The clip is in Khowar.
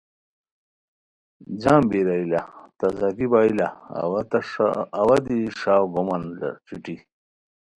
جم بیرائے لہ تازگی بائے لہ، اوا دی ݰاؤ گومان لہ چھٹی